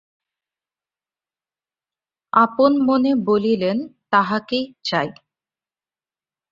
আপন-মনে বলিলেন, তাহাকেই চাই।